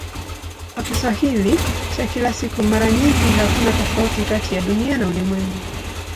Kwa Kiswahili cha kila siku mara nyingi hakuna tofauti kati ya "Dunia" na "ulimwengu".